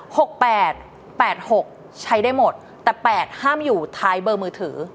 หกแปดแปดหกใช้ได้หมดแต่แปดห้ามอยู่ท้ายเบอร์มือถือ